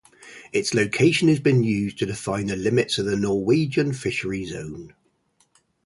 Its location has been used to define the limits of the Norwegian fishery zone.